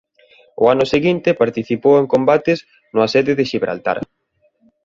O ano seguinte participou en combates no asedio de Xibraltar.